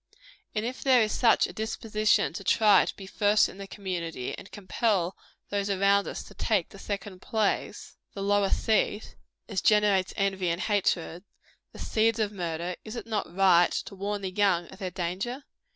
And if there is such a disposition to try to be first in the community, and to compel those around us to take the second place the lower seat as generates envy and hatred the seeds of murder is it not right to warn the young of their danger?